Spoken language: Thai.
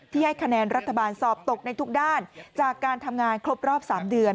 ให้คะแนนรัฐบาลสอบตกในทุกด้านจากการทำงานครบรอบ๓เดือน